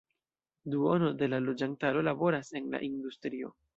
Duono de la loĝantaro laboras en la industrio.